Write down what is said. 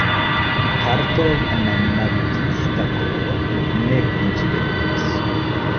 Kartoj en la malĝusta koloro, ne konsideriĝas.